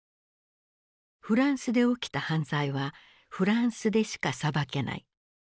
フランスで起きた犯罪はフランスでしか裁けない。